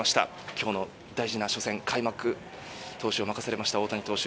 今日の大事な初戦開幕投手を任されました大谷投手